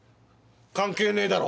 関係ねえだろ。